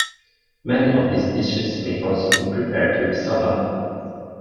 Many of these dishes may also be prepared with soba.